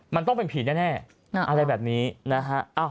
มันต้องเป็นผีแน่อะไรแบบนี้นะฮะ